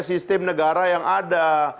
sistem negara yang ada